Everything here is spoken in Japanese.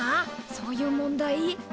そういう問題？